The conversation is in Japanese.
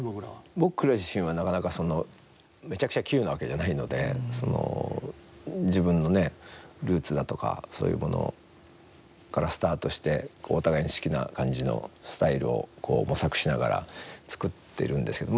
僕ら自身は、なかなかめちゃくちゃ器用なわけじゃないので自分のね、ルーツだとかそういうものからスタートしてお互いに好きな感じのスタイルを模索しながら作ってるんですけど。